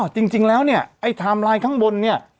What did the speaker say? จริงแล้วเนี่ยไอ้ไทม์ไลน์ข้างบนเนี่ย